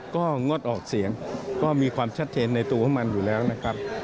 ก็งดออกเสียงก็มีความชัดเจนในตัวของมันอยู่แล้วนะครับ